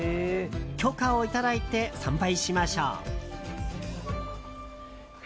許可をいただいて参拝しましょう。